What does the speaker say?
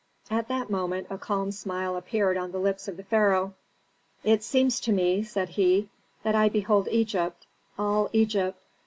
At that moment a calm smile appeared on the lips of the pharaoh. "It seems to me," said he, "that I behold Egypt all Egypt.